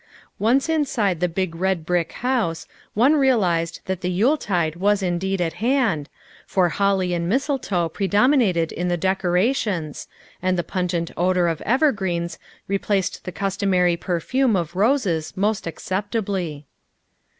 Once inside the big red brick house, one realized that the Yuletide was indeed at hand, for holly and mistle toe predominated in the decorations, and the pungent odor of evergreens replaced the customary perfume of roses most acceptably.